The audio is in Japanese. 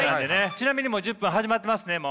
ちなみにもう１０分始まってますねもう。